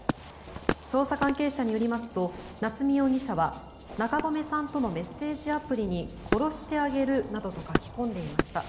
捜査関係者によりますと夏見容疑者は中込さんとのメッセージアプリに殺してあげるなどと書き込んでいました。